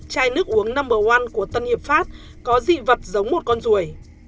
chai nước uống no một của tân hiệp pháp có dị vật giống một con ruồi